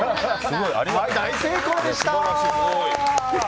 大成功でした！